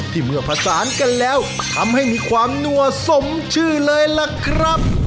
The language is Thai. เมื่อผสานกันแล้วทำให้มีความนัวสมชื่อเลยล่ะครับ